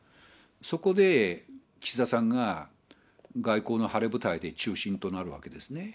そこで、岸田さんが外交の晴れ舞台で中心となるわけですね。